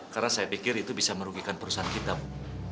karena saya pikir itu bisa merugikan perusahaan kita bu